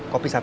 kopi satu ya